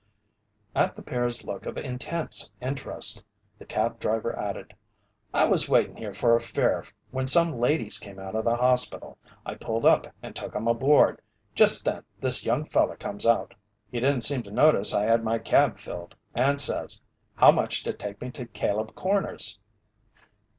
At the pair's look of intense interest, the cab driver added: "I was waitin' here for a fare when some ladies came out of the hospital. I pulled up and took 'em aboard. Just then this young feller comes out. "He didn't seem to notice I had my cab filled, and says: 'How much to take me to Caleb Corners?'"